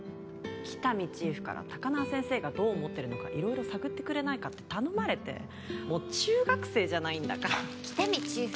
喜多見チーフから高輪先生がどう思ってるのか色々探ってくれないかって頼まれてもう中学生じゃないんだから喜多見チーフ